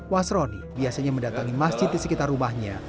wasroni biasanya mendatangi masjid di sekitar rumahnya